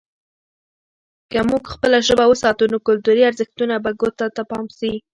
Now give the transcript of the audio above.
که موږ خپله ژبه وساتو، نو کلتوري ارزښتونه به ګوته ته پاتې سي.